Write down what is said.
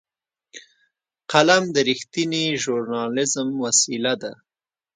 قلم د رښتینې ژورنالېزم وسیله ده